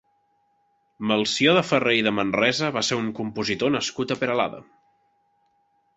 Melcior de Ferrer i de Manresa va ser un compositor nascut a Peralada.